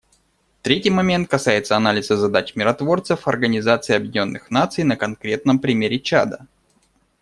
Третий момент касается анализа задач миротворцев Организации Объединенных Наций на конкретном примере Чада.